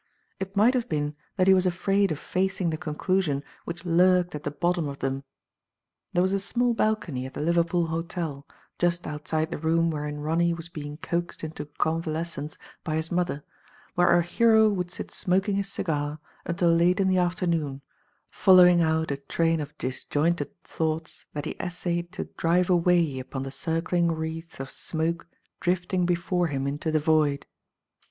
It might have been that he was afraid of facing the conclusion which lurked at the bottom of them. There was a small balcony at the Liverpool hotel, just outside the room wherein Ronny was being coaxed into Digitized by Google convalescence by his mother, where our hero would sit smoking his cigar until late in the after noon, following out a train of disjointed thoughts that he essayed to drive away upon the circling wreaths of smoke drifting before him into the void.